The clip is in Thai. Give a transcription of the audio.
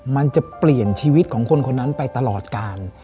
มันจะเปลี่ยนชีวิตของคนคนนั้นไปตลอดการ